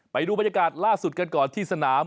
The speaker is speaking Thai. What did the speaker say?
ไปดูบรรยากาศล่าสุดกันก่อนที่สนาม